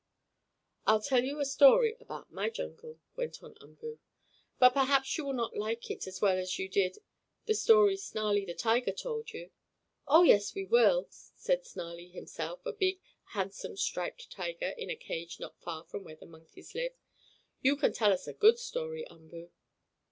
"I'll tell you a story about my jungle," went on Umboo. "But perhaps you will not like it as well as you did the story Snarlie the tiger told you." "Oh, yes we will," said Snarlie himself, a big, handsome striped tiger in a cage not far from where the monkeys lived. "You can tell us a good story, Umboo."